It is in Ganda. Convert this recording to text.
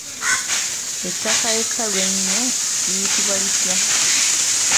Ettaka ekkalu ennyo liyitibwa litya?